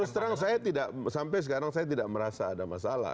terus terang saya tidak sampai sekarang saya tidak merasa ada masalah